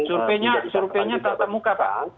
surveinya tata muka pak